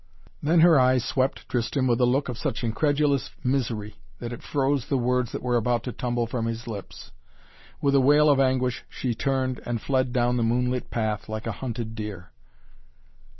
Then her eyes swept Tristan with a look of such incredulous misery that it froze the words that were about to tumble from his lips. With a wail of anguish she turned and fled down the moonlit path like a hunted deer.